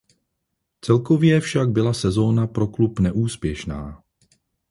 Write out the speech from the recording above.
Celkově však byla sezóna pro klub neúspěšná.